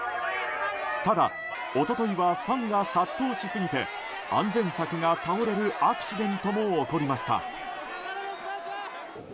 ただ、一昨日はファンが殺到しすぎて安全柵が倒れるアクシデントも起こりました。